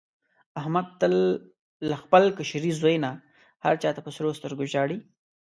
احمد تل له خپل کشري زوی نه هر چا ته په سرو سترګو ژاړي.